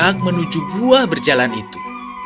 hak menuju buah berjalan itu